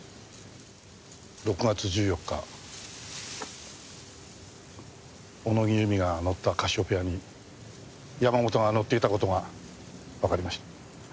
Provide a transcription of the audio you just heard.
６月１４日小野木由美が乗ったカシオペアに山本が乗っていた事がわかりました。